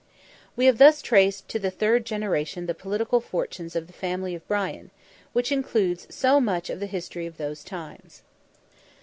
We have thus traced to the third generation the political fortunes of the family of Brian, which includes so much of the history of those times.